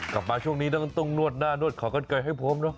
กลับมาช่วงนี้ต้องนวดหน้านวดขอกันไกลให้ผมเนอะ